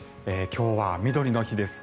今日はみどりの日です。